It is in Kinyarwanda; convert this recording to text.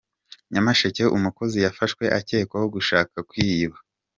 Nyamasheke Umukozi yafashwe akekwaho gushaka kuyiba